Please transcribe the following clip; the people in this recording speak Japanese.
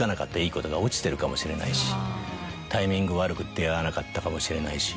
タイミング悪く出合わなかったかもしれないし。